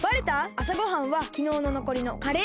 あさごはんはきのうののこりのカレーでした。